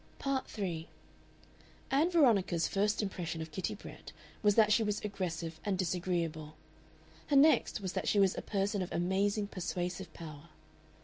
Part 3 Ann Veronica's first impression of Kitty Brett was that she was aggressive and disagreeable; her next that she was a person of amazing persuasive power.